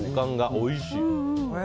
おいしい。